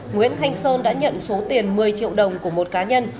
nguyễn thanh sơn đã nhận số tiền một mươi triệu đồng của một cá nhân